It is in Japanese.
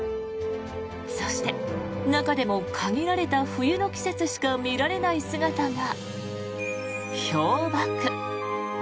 そして、中でも限られた冬の季節しか見られない姿が氷瀑。